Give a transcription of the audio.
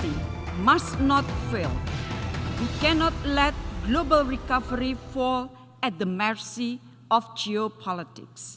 kita tidak bisa membiarkan pemulihan global menurun di hadapan geopolitik